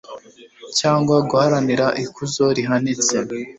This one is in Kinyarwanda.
cyangwa guharanira ikuzo rihanitse